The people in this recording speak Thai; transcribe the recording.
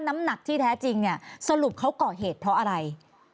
น้ำหนักที่แท้จริงเนี่ยสรุปเขาก่อเหตุเพราะอะไร